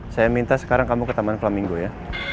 saya minta sekarang kamu ke taman pelamino ya